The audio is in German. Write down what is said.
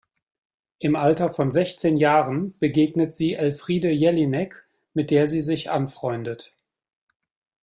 Im Alter von sechzehn Jahren begegnet sie Elfriede Jelinek, mit der sie sich anfreundet.